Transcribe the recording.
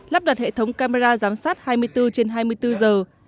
lắp đặt hệ thống camera giám sát hai mươi bốn trên hai mươi bốn giờ